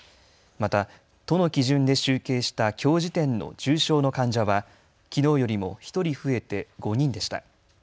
また都の基準で集計したきょう時点の重症の患者はきのうよりも１人増えて５人でした。